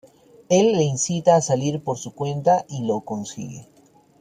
Él le incita a salir por su cuenta y lo consigue.